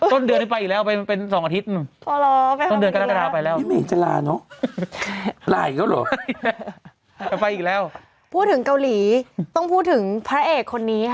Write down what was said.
ต้นเดือนไปอีกแล้วจะเป็นสองอาทิตย์